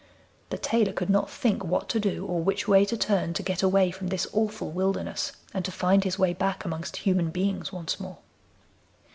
The tailor could not think what to do or which way to turn to get away from this awful wilderness, and to find his way back amongst human beings once more.